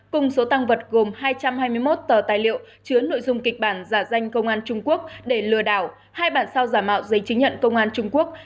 cùng số tăng vật gồm hai trăm hai mươi một tờ tài liệu chứa nội dung kịch bản giả danh công an trung quốc để lừa đảo hai bản sao giả mạo giấy chứng nhận công an trung quốc